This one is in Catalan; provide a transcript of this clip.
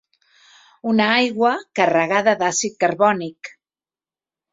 Una aigua carregada d'àcid carbònic.